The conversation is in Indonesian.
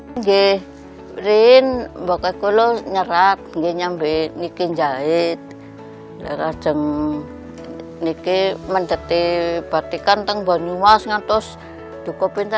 sebelum kita membentuk kelompok itu ibu ibu papringan sudah jadi pembatik namun belum masuk ke kelompok itu